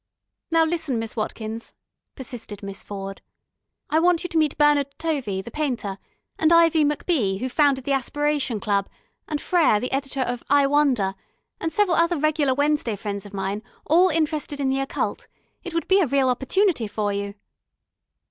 "Now listen, Miss Watkins," persisted Miss Ford. "I want you to meet Bernard Tovey, the painter, and Ivy MacBee, who founded the Aspiration Club, and Frere, the editor of I Wonder, and several other regular Wednesday friends of mine, all interested in the Occult. It would be a real opportunity for you."